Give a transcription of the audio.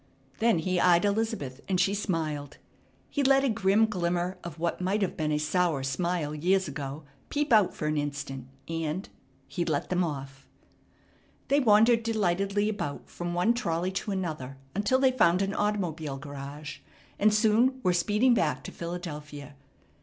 Then he eyed Elizabeth, and she smiled. He let a grim glimmer of what might have been a sour smile years ago peep out for an instant, and he let them off. They wandered delightedly about from one trolley to another until they found an automobile garage, and soon were speeding back to Philadelphia.